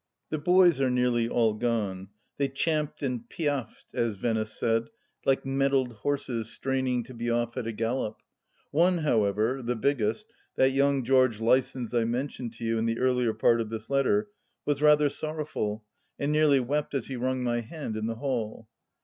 The boys are nearly all gone. They champed and piaffed, as Venice said, like mettled horses straining to be off at a gallop. One, however, the biggest — that young George Lysons I mentioned to you in the earlier part of this letter — was rather sorrowful, and nearly wept as he wrung my hand in the hall.